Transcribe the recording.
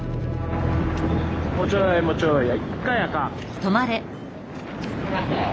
もうちょいもうちょい。